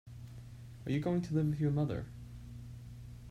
Are you going to live with your mother?